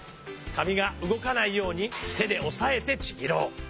かみがうごかないようにてでおさえてちぎろう。